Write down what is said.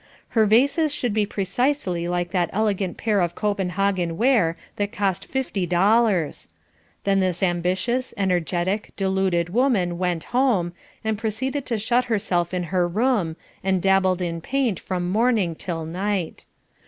Her vases should be precisely like that elegant pair of Copenhagen ware that cost fifty dollars. Then this ambitious, energetic, deluded woman went home, and proceeded to shut herself in her room, and dabbled in paint from morning till night.